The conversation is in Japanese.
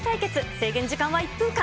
制限時間は１分間。